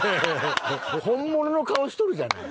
本物の顔しとるじゃない。